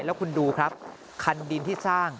แล้วคุณดูครับคันดินที่สร้าง